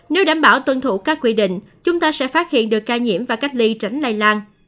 nếu đảm bảo tuân thủ các quy định chúng ta sẽ phát hiện được ca nhiễm và cách ly tránh lây lan